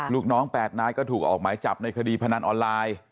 ลูกน้อง๘นายก็ถูกออกหมายจับในคดีพนันออนไลน์